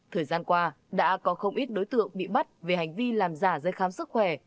thời gian qua đã có không ít đối tượng bị bắt về hành vi làm giả giấy khám sức khỏe